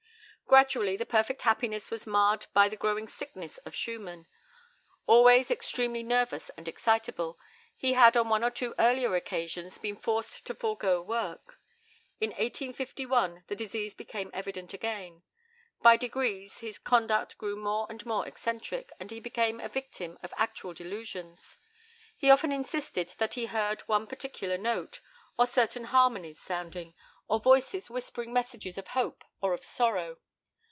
Gradually the perfect happiness was marred by the growing sickness of Schumann. Always extremely nervous and excitable, he had on one or two earlier occasions been forced to forego work. In 1851 the disease became evident again. By degrees his conduct grew more and more eccentric, and he became a victim of actual delusions. He often insisted that he heard one particular note, or certain harmonies sounding, or voices whispering messages of hope or of sorrow.